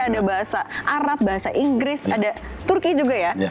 ada bahasa arab bahasa inggris ada turki juga ya